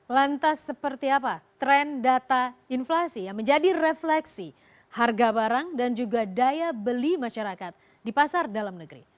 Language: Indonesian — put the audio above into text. lantas seperti apa tren data inflasi yang menjadi refleksi harga barang dan juga daya beli masyarakat di pasar dalam negeri